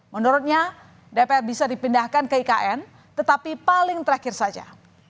menurutnya dpr bisa dipindahkan ke ikn tetapi paling terakhir saja